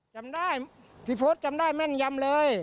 จำได้ธิพฤษจำได้แม่นยำเลย